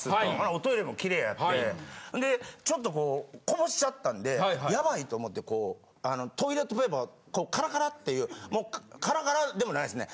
おトイレも綺麗やってでちょっとこうこぼしちゃったんでやばいと思ってこうトイレットペーパーカラカラっていうカラカラでもないですね。